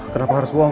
kenapa harus bohong